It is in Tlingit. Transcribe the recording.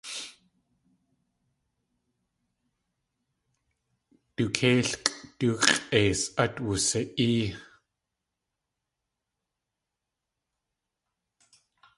Du kéilkʼ du x̲ʼeis at wusi.ée.